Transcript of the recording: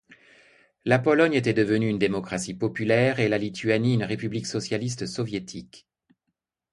La Pologne était devenue une démocratie populaire et la Lituanie, une république socialiste soviétique.